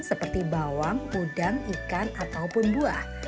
seperti bawang udang ikan ataupun buah